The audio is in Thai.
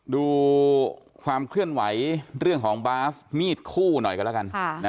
ดูความเคลื่อนไหวเรื่องของบาสมีดคู่หน่อยกันแล้วกัน